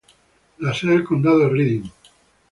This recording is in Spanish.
La sede del condado es Reading.